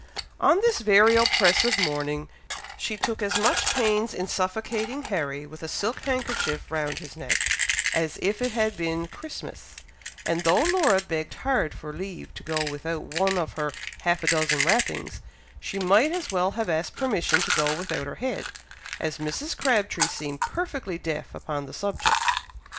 On this very oppressive morning she took as much pains in suffocating Harry with a silk handkerchief round his neck, as if it had been Christmas, and though Laura begged hard for leave to go without one of her half a dozen wrappings, she might as well have asked permission to go without her head, as Mrs. Crabtree seemed perfectly deaf upon the subject.